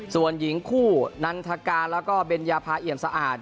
ส่วนหญิงคู่นันทกาแล้วก็เบญญาภาเอี่ยมสะอาด